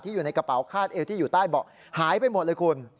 อยู่ในกระเป๋าคาดเอวที่อยู่ใต้เบาะหายไปหมดเลยคุณ